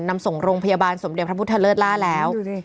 นำส่งโรงพยาบาลสมเด็จพระพุทธเลิศล่าแล้ว